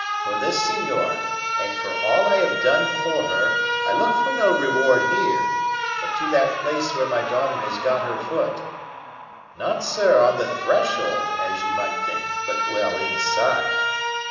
For this, senor, and for all I have done for her, I look for no reward here, but to that place where my daughter has got her foot; not, sir, on the threshold, as you might think, but well inside.